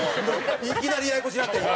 いきなり、ややこしなった、今。